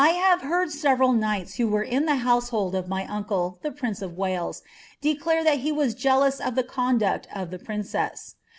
'■ 1 have heard several knights who were of the household ot «f uncle, the prince of Wales, declare that he was jealous of the cawtw of ihe princess.